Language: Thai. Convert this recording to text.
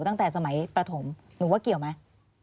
ตั้งแต่สมัยประถมหนูว่าเกี่ยวไหม